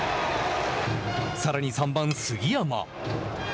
さらに３番杉山。